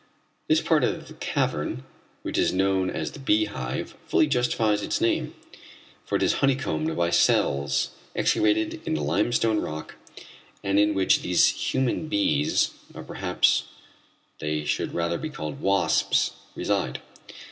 This part of the cavern, which is known as the Beehive, fully justifies its name, for it is honeycombed by cells excavated in the limestone rock and in which these human bees or perhaps they should rather be called wasps reside.